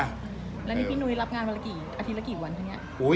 แล้วนี่พี่นุ้ยรับงานวันละกี่อาทิตย์ละกี่วันคะเนี่ย